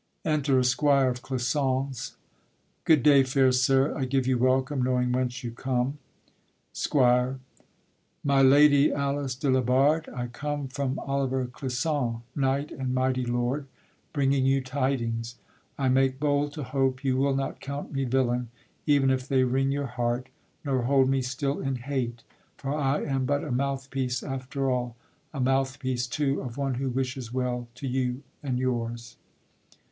Enter a Squire of Clisson's. Good day, fair sir, I give you welcome, knowing whence you come. SQUIRE. My Lady Alice de la Barde, I come From Oliver Clisson, knight and mighty lord, Bringing you tidings: I make bold to hope You will not count me villain, even if They wring your heart, nor hold me still in hate; For I am but a mouthpiece after all, A mouthpiece, too, of one who wishes well To you and your's.